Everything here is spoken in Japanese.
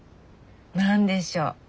何でしょう？